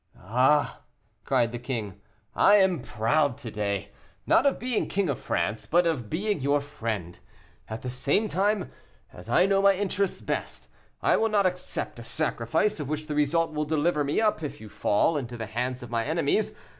"Ah!" cried the king, "I am proud to day, not of being King of France, but of being your friend; at the same time, as I know my own interests best, I will not accept a sacrifice, of which the result will deliver me up, if you fall, into the hands of my enemies.